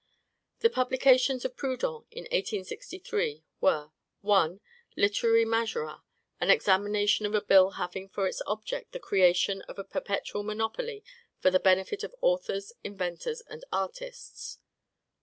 The publications of Proudhon, in 1863, were: 1. "Literary Majorats: An Examination of a Bill having for its object the Creation of a Perpetual Monopoly for the Benefit of Authors, Inventors, and Artists;" 2.